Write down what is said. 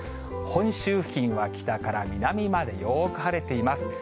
本州付近は、北から南までよく晴れています。